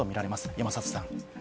山里さん。